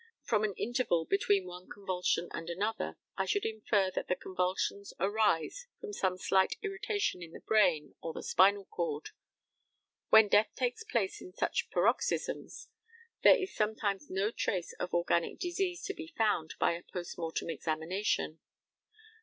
From an interval between one convulsion and another I should infer that the convulsions arise from some slight irritation in the brain or the spinal cord. When death takes place in such paroxysms there is sometimes no trace of organic disease to be found by a post mortem examination.